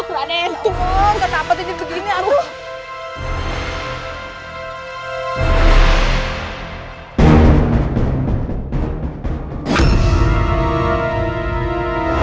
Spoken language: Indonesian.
kenapa telinga begini arul